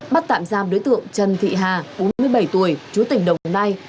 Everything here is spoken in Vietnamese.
bắt tạm giam đối tượng trần thị hà bốn mươi bảy tuổi chú tỉnh đồng nai